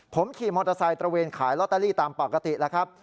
ผมขี่มอเตอร์ไซค์ตระเวนขายลอตเตอรี่ตามปกติแล้วครับ